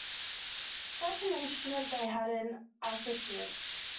Such an instrument they had in Arsacius.